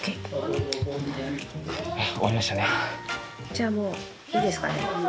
じゃあもういいですかね。